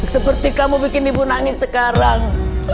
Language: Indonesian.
seperti kamu bikin ibu nangis sekarang